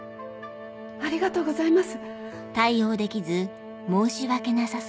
ありがとうございます！